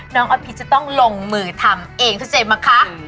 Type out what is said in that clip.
ออฟพิษจะต้องลงมือทำเองเข้าใจมั้งคะ